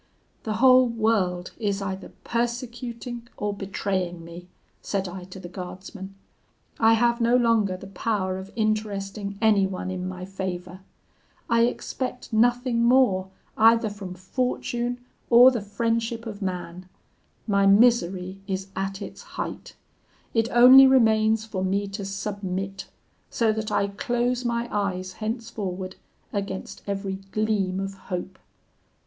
'The whole world is either persecuting or betraying me,' said I to the guardsman; 'I have no longer the power of interesting anyone in my favour; I expect nothing more either from fortune or the friendship of man; my misery is at its height; it only remains for me to submit, so that I close my eyes henceforward against every gleam of hope.